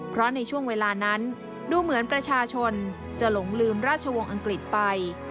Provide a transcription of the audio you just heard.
เพราะในช่วงเวลานั้นดูเหมือนประชาชนจะหลงลืมราชวงศ์อังกฤษไป